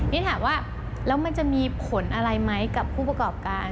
นี่ถามว่าแล้วมันจะมีผลอะไรไหมกับผู้ประกอบการ